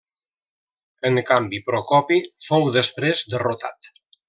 En canvi Procopi fou després derrotat.